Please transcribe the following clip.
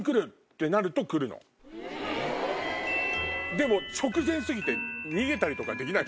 でも直前過ぎて逃げたりとかはできない。